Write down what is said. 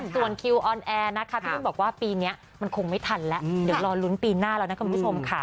ส่วนคิวออนแอร์นะคะพี่นุ่นบอกว่าปีนี้มันคงไม่ทันแล้วเดี๋ยวรอลุ้นปีหน้าแล้วนะคุณผู้ชมค่ะ